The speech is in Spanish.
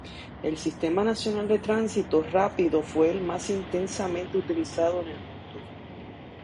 El sistema nacional de tránsito rápido fue el más intensamente utilizado en el mundo.